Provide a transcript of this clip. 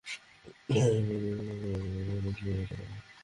তোমার আশির্বাদ ছাড়া, সে এই বাড়ি থেকে খুশীতে যেতে পারবে না।